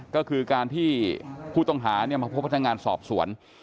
ก็คือการที่ผู้ต้องหามาพบพนักงานสอบสวน